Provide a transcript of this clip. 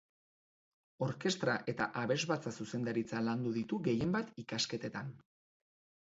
Orkestra eta Abesbatza Zuzendaritza landu ditu gehienbat ikasketetan.